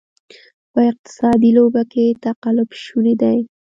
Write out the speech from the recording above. په اقتصادي لوبه کې تقلب شونې دی.